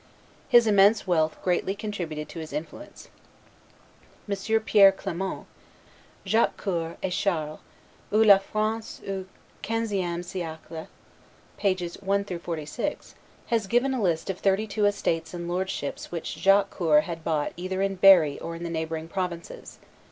His immense wealth greatly contributed to his influence. M. Pierre Clement [Jacques Coeur et Charles WE, ou la France au quinzieme siecle; t. ii., pp. 1 46] has given a list of thirty two estates and lordships which Jacques Coeur had bought either in Berry or in the neighboring provinces.